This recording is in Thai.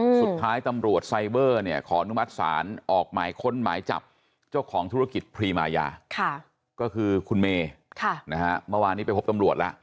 สุดท้ายตำรวจไซเบอร์เนี่ยขอนุมัติศาลออกหมายค้นหมายจับเจ้าของธุรกิจพรีมายา